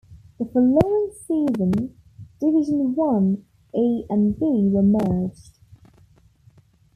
The following season, Division One A and B were merged.